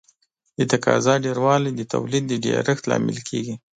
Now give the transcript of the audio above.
د تقاضا ډېروالی د تولید د ډېرښت لامل کیږي.